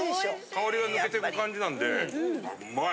香りが抜けていく感じなんでうまい！